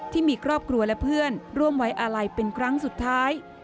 ที่มีครอบครัวและเพื่อนร่วมไว้อาลัยเป็นครั้งสุดท้าย